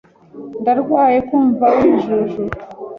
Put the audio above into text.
Ndarwaye kumva wijujuta.